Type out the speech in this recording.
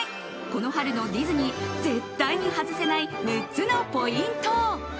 この春のディズニー絶対に外せない６つのポイント。